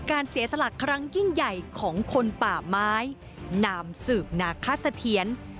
เสียสละครั้งยิ่งใหญ่ของคนป่าไม้นามสืบนาคสะเทียน